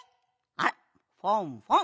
あらフォンフォン。